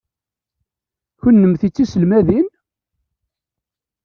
Kennemti d tiselmadin?